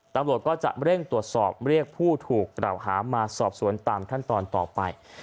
ตำรวจก็จะเร่งตรวจสอบเรียกผู้ถูกกล่าวหามาสอบสวนตามขั้นตอนต่อไป